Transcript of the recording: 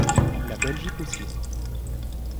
La Belgique aussi.